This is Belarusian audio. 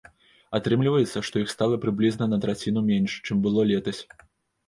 Атрымліваецца, што іх стала прыблізна на траціну менш, чым было летась.